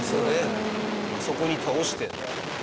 そこに倒して。